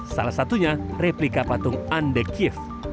salah satunya replika patung anne de kieff